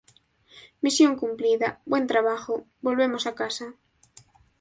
Misión cumplida. Buen trabajo. Volvemos a casa.